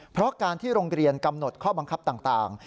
เพราะการที่โรงเรียนกำหนดข้อบังคับต่าง